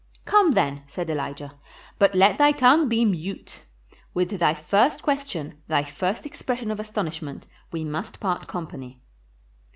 "Come, then," said Elijah; "but let thy tongue be mute. With thy first question, thy first expression of astonishment, we must part company."